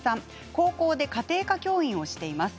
高校で家庭科教員をしています。